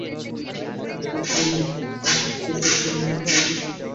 নাহয় একেকটার এমন হাল করব সাত জন্ম বসে বসে পস্তাবে।